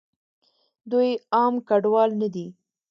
دوئ عام کډوال نه دي.